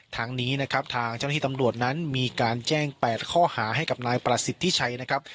ทางนี้นะครับทางเจ้าหน้าที่ตำรวจนั้นมีการแจ้ง๘ข้อหาให้กับนายประสิทธิชัยนะครับ